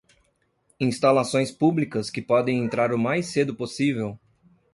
Instalações públicas que podem entrar o mais cedo possível